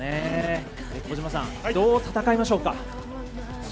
小島さん、どう戦いますか。